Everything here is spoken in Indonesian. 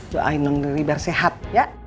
doain non riri bersehat ya